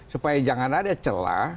supaya jangan ada celah